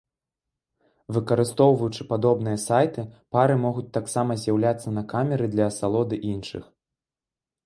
Выкарыстоўваючы падобныя сайты, пары могуць таксама з'яўляцца на камеры для асалоды іншых.